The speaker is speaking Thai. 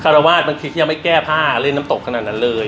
รวาสบางทีก็ยังไม่แก้ผ้าเล่นน้ำตกขนาดนั้นเลย